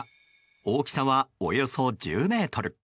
大きさはおよそ１０ｍ。